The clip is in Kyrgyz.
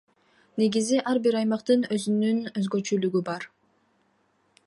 Негизинен ар бир аймактын өзүнүн өзгөчөлүгү бар.